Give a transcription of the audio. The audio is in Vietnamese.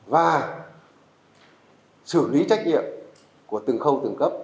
và xử lý trách nhiệm của từng khâu từng cấp